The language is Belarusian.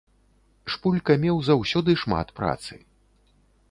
Шпулька меў заўсёды шмат працы.